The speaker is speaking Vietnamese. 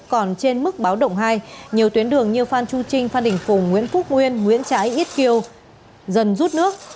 còn trên mức báo động hai nhiều tuyến đường như phan chu trinh phan đình phùng nguyễn phúc nguyên nguyễn trái ít kiều dần rút nước